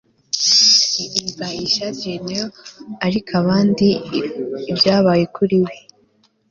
ariko kandi, ibyabaye kuri we